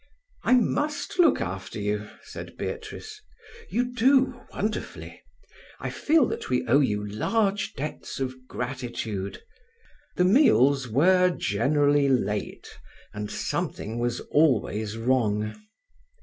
"I must look after you," said Beatrice. "You do—wonderfully. I feel that we owe you large debts of gratitude." The meals were generally late, and something was always wrong.